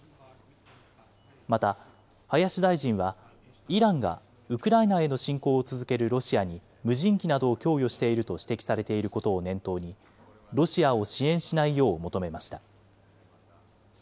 また林大臣は、イランがウクライナへの侵攻を続けるロシアに無人機などを供与していると指摘されていることを念頭に、ロシアを支援しないよう求めました。